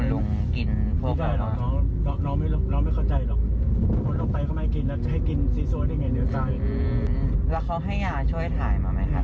แล้วเขาให้ยาช่วยถ่ายมาไหมครับ